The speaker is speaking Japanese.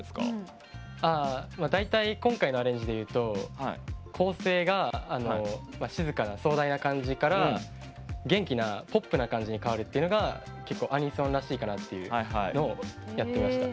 大体今回のアレンジで言うと構成が静かな壮大な感じから元気なポップな感じに変わるっていうのが結構アニソンらしいかなっていうのをやってみました。